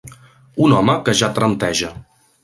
Un home que ja trenteja.